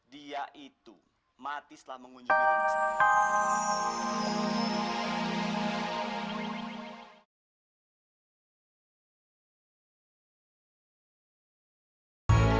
dia itu mati setelah mengunjungi nenek saya